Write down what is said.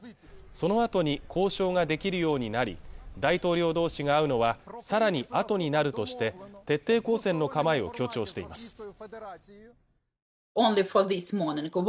そのあとに交渉ができるようになり大統領同士が会うのはさらにあとになるとして徹底抗戦の構えを強調しています